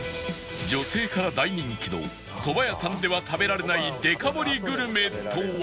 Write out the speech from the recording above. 女性から大人気のそば屋さんでは食べられないデカ盛りグルメとは？